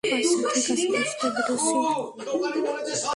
আচ্ছা ঠিক আছে, বুঝতে পেরেছি!